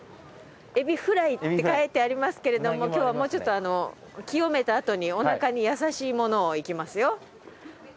エビフライって書いてありますけれども今日はもうちょっとあの清めたあとにお腹に優しいものをいきますよ。